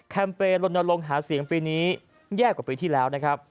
เปลนลงหาเสียงปีนี้แย่กว่าปีที่แล้วนะครับ